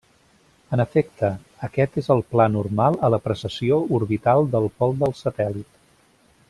En efecte, aquest és el pla normal a la precessió orbital del pol del satèl·lit.